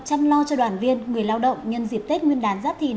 chăm lo cho đoàn viên người lao động nhân dịp tết nguyên đán giáp thìn